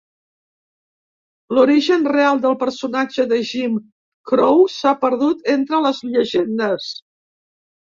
L'origen real del personatge de Jim Crow s'ha perdut entre les llegendes.